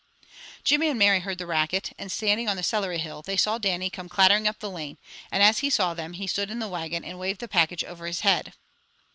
Jimmy and Mary heard the racket, and standing on the celery hill, they saw Dannie come clattering up the lane, and as he saw them, he stood in the wagon, and waved the package over his head.